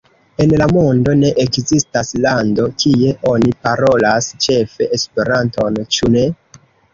En la mondo ne ekzistas lando, kie oni parolas ĉefe Esperanton, ĉu ne?